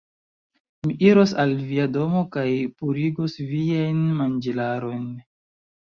Mi iros al via domo kaj purigos viajn manĝilarojn